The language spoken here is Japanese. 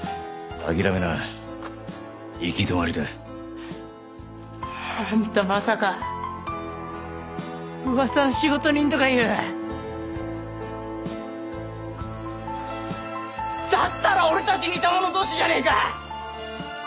諦めな行き止まりだあんたまさか噂の仕事人とかいうだったら俺たち似た者どうしじゃねぇか！